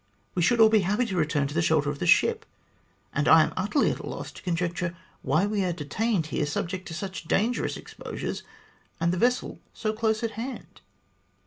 We should all be happy to return to the shelter of the ship ; and I am utterly at a loss to conjecture why we are detained here, subject to such dangerous exposures, and the vessel so close at hand."